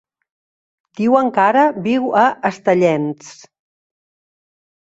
Diuen que ara viu a Estellencs.